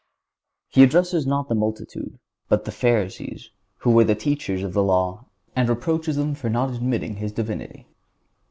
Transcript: He addresses not the multitude, but the Pharisees, who were the teachers of the law, and reproaches them for not admitting His Divinity.